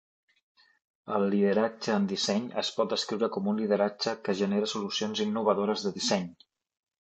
El lideratge en disseny es pot descriure com un lideratge que genera solucions innovadores de disseny.